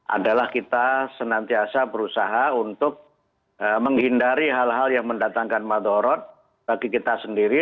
adalah kita senantiasa berusaha untuk menghindari hal hal yang mendatangkan madhorot bagi kita sendiri